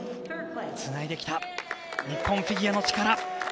つないできた日本フィギュアの力。